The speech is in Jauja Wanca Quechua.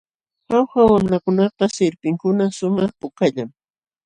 Jauja wamlakunapa sirpinkuna shumaq pukallam.